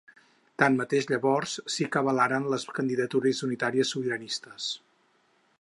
Tanmateix, llavors sí que avalaran les candidatures unitàries sobiranistes.